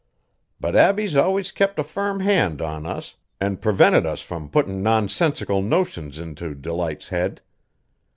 But Abbie's always kept a firm hand on us an' prevented us from puttin' nonsensical notions into Delight's head.